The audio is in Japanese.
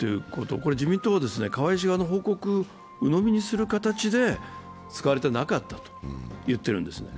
自民党は、河井氏側の報告を鵜のみにする形で、使われてなかったと言ってるんです。